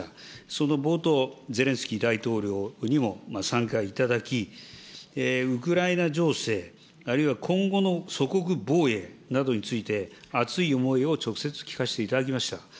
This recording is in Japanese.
その冒頭、ゼレンスキー大統領にも参加いただき、ウクライナ情勢、あるいは今後の祖国防衛などについて、熱い思いを直接聞かせていただきました。